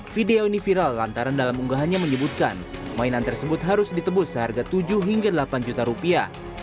video ini viral lantaran dalam unggahannya menyebutkan mainan tersebut harus ditebus seharga tujuh hingga delapan juta rupiah